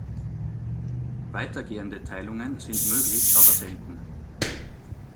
Weitergehende Teilungen sind möglich, aber selten.